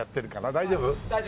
大丈夫。